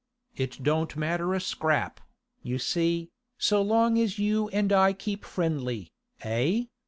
It don't matter a scrap, you see, so long as you and I keep friendly, eh?